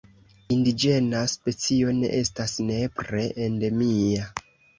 Indiĝena specio ne estas nepre endemia.